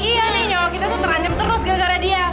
iya nih nyawa kita tuh teranem terus gara gara dia